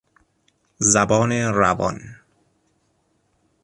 زبان روان